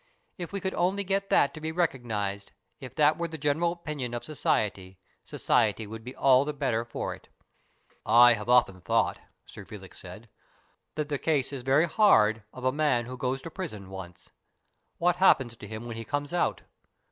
If we could only get that to be recognized, if that were the general opinion of society, society would be all the better for it." " I've often thought," Sir Felix said, " that the case is very hard of a man who goes to prison once. What happens to him when he comes out